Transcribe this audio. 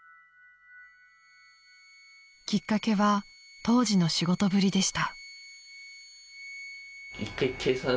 ［きっかけは当時の仕事ぶりでした］